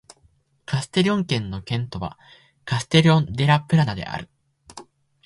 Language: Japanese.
カステリョン県の県都はカステリョン・デ・ラ・プラナである